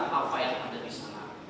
supaya bisa kita lihat apa yang ada di sana